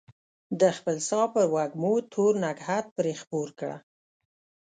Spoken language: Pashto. د خپل ساه په وږمو تور نګهت پرې خپور کړه